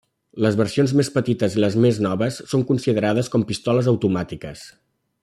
Les versions més petites i les més noves són considerades com pistoles automàtiques.